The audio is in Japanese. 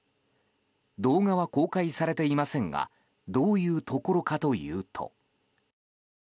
動画は公開されていませんがどういうところかというと。